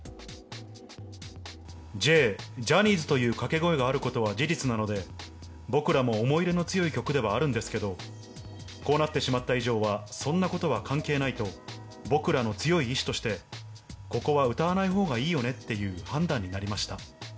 Ｊ、ジャニーズという掛け声があることは事実なので、僕らも思い入れの強い曲ではあるんですけど、こうなってしまった以上はそんなことは関係ないと、僕らの強い意志としてここは歌わないほうがいいよねっていう判断